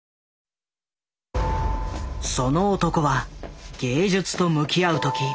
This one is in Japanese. その男は芸術と向き合う時